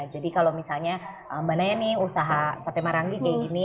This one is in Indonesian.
jadi kalau misalnya mbak naya nih usaha sate marangi kayak gini